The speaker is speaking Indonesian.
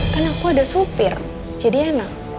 kan aku ada supir jadi enak